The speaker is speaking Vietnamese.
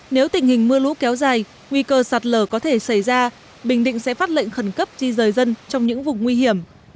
nếu tình hình mưa lũ kéo dài nguy cơ sạt lở có thể xảy ra bình định sẽ phát lệnh khẩn cấp di rời dân trong những vùng nguy hiểm